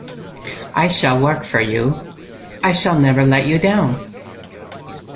I shall work for you, I shall never let you down.